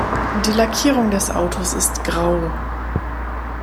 Die Lackierung des Autos ist grau.